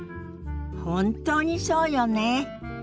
本当にそうよね。